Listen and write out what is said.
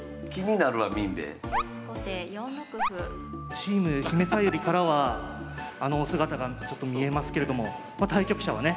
チームひめさゆりからはあの姿が見えますけれども対局者はね